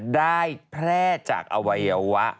ได้แพร่จากอวัยวะ